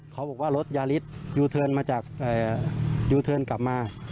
เขาบอกลดยาฤทธิ์ยูเทินมาจากยูเทินกลับมา